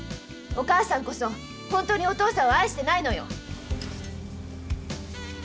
お母さんこそ本当にお父さんを愛してないのよ！